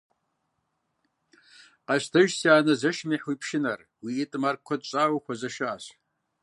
Къэщтэж, си анэ, зэшым ихь уи пшынэр, уи ӀитӀым ар куэд щӀауэ хуезэшащ.